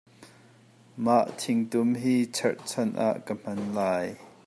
Mah thingtum hi cherhchan ah ka hman lai.